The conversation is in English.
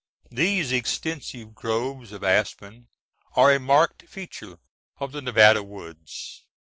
These extensive groves of aspen are a marked feature of the Nevada woods.